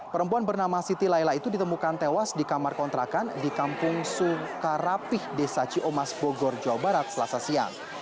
perempuan bernama siti laila itu ditemukan tewas di kamar kontrakan di kampung sukarapih desa ciomas bogor jawa barat selasa siang